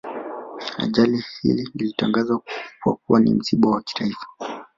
Ajali hii ilitangazwa kuwa ni msiba wa kitaifa